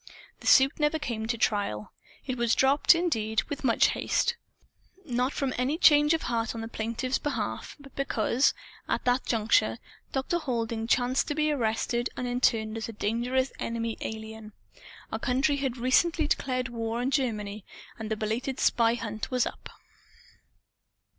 The suit never came to trial. It was dropped, indeed, with much haste. Not from any change of heart on the plaintiff's behalf; but because, at that juncture, Dr. Halding chanced to be arrested and interned as a dangerous Enemy Alien. Our country had recently declared war on Germany; and the belated spy hunt was up.